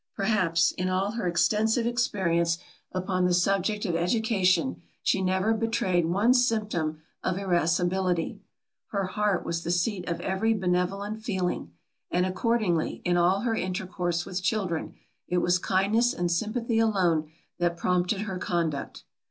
Perhaps, in all her extensive experience upon the subject of education, she never betrayed one symptom of irascibility. Her heart was the seat of every benevolent feeling; and accordingly, in all her intercourse with children, it was kindness and sympathy alone that prompted her conduct.